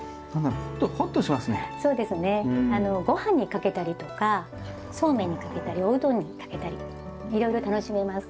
ごはんにかけたりとかそうめんにかけたりおうどんにかけたりいろいろ楽しめます。